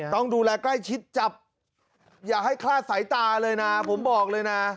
ต้องดูแลใกล้ชิดจับอย่าให้คลาดสายตาเลยนะผมบอกเลยนะ